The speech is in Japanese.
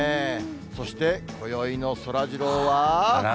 そしてこよいのそらジローは。